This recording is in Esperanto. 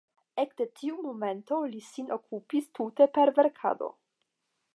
Ekde tiu momento li sin okupis tute per verkado.